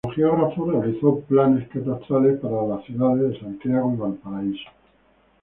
Como geógrafo realizó planos catastrales para las ciudades de Santiago y Valparaíso.